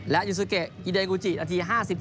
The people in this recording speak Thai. และยูสุเกะอิเดยงูจินาที๕๓ครับ